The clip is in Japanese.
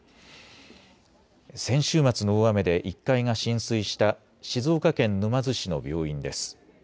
先週末の大雨で１階が浸水した静岡県沼津市の病院です。